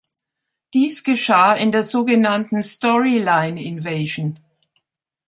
Dies geschah in der sogenannten "Storyline-Invasion".